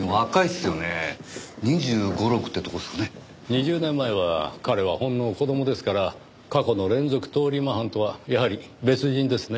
２０年前は彼はほんの子供ですから過去の連続通り魔犯とはやはり別人ですね。